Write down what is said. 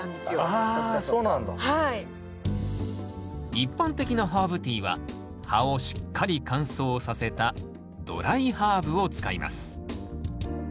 一般的なハーブティーは葉をしっかり乾燥させたドライハーブを使います。